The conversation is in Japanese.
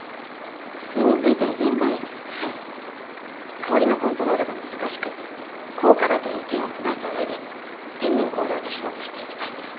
香りのコントロールが難しく高価だという点を踏まえた上で天然香料で勝負していきたいんです。